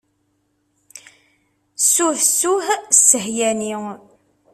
Ssuh, ssuh ssehyani.